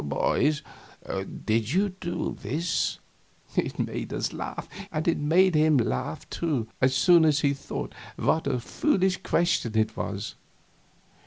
"Boys, did you do this?" It made us laugh. And it made him laugh, too, as soon as he thought what a foolish question it was.